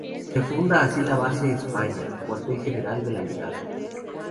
Se funda así la Base España, cuartel general de la brigada.